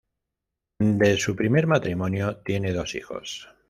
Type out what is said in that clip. De su primer matrimonio tiene dos hijos.